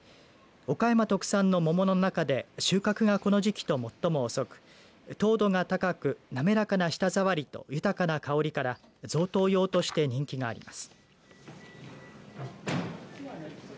岡山特産の桃の中で収穫がこの時期と最も遅く糖度が高く、滑らかな舌触りと豊かな香りから贈答用として人気があります。